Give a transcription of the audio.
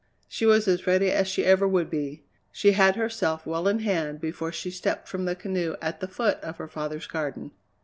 She was as ready as she ever would be. She had herself well in hand before she stepped from the canoe at the foot of her father's garden.